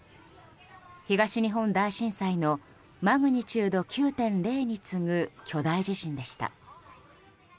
東日本大震災のマグニチュード９．０に次ぐ巨大地震でした。